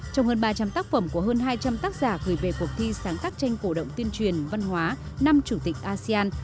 trong hơn ba trăm linh tác phẩm của hơn hai trăm linh tác giả gửi về cuộc thi sáng tác tranh cổ động tuyên truyền văn hóa năm chủ tịch asean